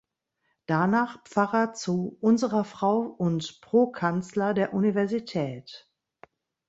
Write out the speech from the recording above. Danach Pfarrer zu Unserer Frau und Prokanzler der Universität.